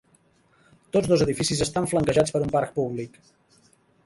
Tots dos edificis estan flanquejats per un parc públic.